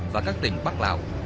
và các tỉnh bắc lào